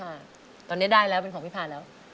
ตอนนี้ครับตอนนี้ได้แล้วเป็นของพี่พีภาร์ดครับ